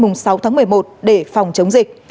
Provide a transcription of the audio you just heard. ngày sáu tháng một mươi một để phòng chống dịch